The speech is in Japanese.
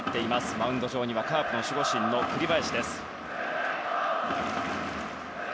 マウンド上にはカープの守護神栗林です。